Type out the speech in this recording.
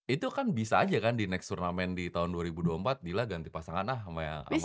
itu kan bisa aja kan di next tournament di tahun dua ribu dua puluh empat dila ganti pasangan lah sama yang